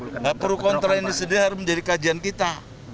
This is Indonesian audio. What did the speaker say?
nggak perlu kontra ini sedih harus menjadi kajian kita